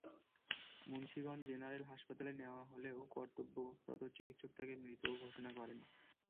Munshiganj general হাসপাতালে নেওয়া হলে কর্তব্যরত চিকিৎসক তাঁকে মৃত ঘোষণা করেন।